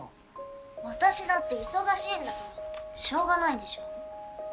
私だって忙しいんだからしょうがないでしょ